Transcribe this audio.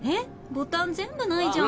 ボタン全部ないじゃん。